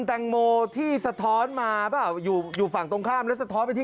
แตงโมที่สะท้อนมาเปล่าอยู่อยู่ฝั่งตรงข้ามแล้วสะท้อนไปที่